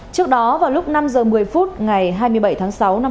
trước đó vào lúc năm h một mươi phút ngày hai mươi bảy tháng sáu năm hai nghìn hai mươi